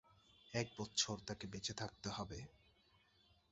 এক বৎসর তাঁকে বেঁচে থাকতে হবে।